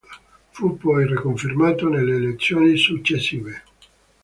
Fu poi riconfermato nelle elezioni successive.